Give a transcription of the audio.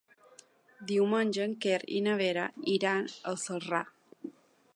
Diumenge en Quer i na Vera iran a Celrà.